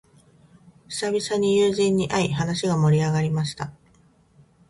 久々に友人に会い、話が盛り上がりました。